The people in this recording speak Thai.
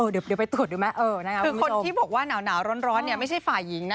เดี๋ยวไปตรวจดูไหมคือคนที่บอกว่าหนาวร้อนเนี่ยไม่ใช่ฝ่ายหญิงนะ